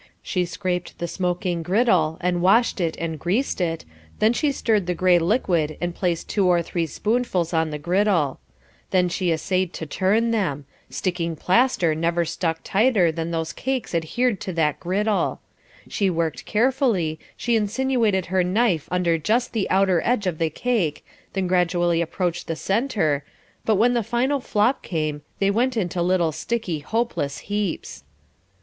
She scraped the smoking griddle, and washed it and greased it, then she stirred the grey liquid and placed two or three spoonfuls on the griddle, then she essayed to turn them sticking plaster never stuck tighter than those cakes adhered to that griddle; she worked carefully, she insinuated her knife under just the outer edge of the cake, then gradually approached the centre, but when the final flop came, they went into little sticky hopeless heaps.